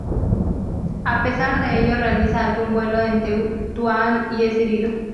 A pesar de ello realiza algún vuelo en Tetuán y es herido.